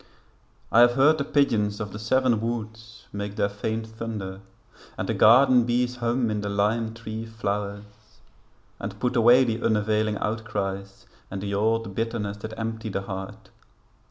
I have heard the pigeons of the Seven Woods Make their faint thunder, and the garden bees Hum in the lime tree flowers; and put away The unavailing outcries and the old bitterness That empty the heart.